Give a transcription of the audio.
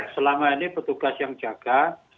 selama ini petugas yang jaga